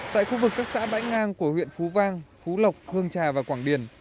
tại khu vực các xã bãi ngang của huyện phú vang phú lộc hương trà và quảng điền